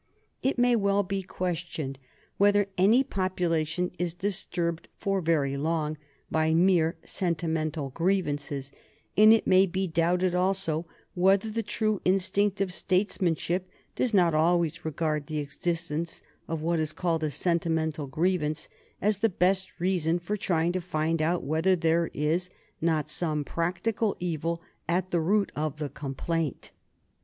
It may well be questioned whether any population is disturbed for very long by mere sentimental grievances, and it may be doubted also whether the true instinct of statesmanship does not always regard the existence of what is called a sentimental grievance as the best reason for trying to find out whether there is not some practical evil at the root of the complaint.